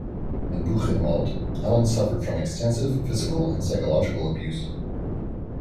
In Buchenwald, Allen suffered from extensive physical and psychological abuse.